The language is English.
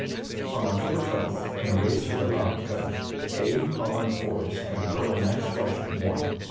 On October 12th, in a race for the Lahm cup, A. Holland Forbes and Col. Max Fleischman won.